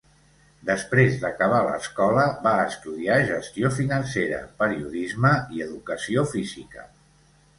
Després d'acabar l'escola, va estudiar gestió financera, periodisme i educació física.